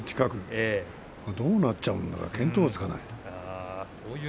どうなっちゃうのか見当もつかない。